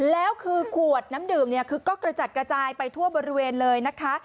แล้วคือขวดน้ำดื่มเนี่ยคือก็กระจัดกระจายไปทั่วบริเวณเลยนะคะ